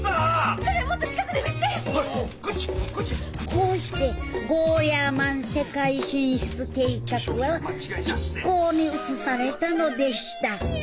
こうしてゴーヤーマン世界進出計画は実行に移されたのでした。